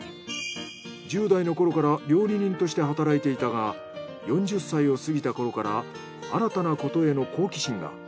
１０代の頃から料理人として働いていたが４０歳を過ぎたころから新たなことへの好奇心が。